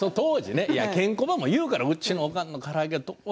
ケンコバも言うからうちの家のから揚げ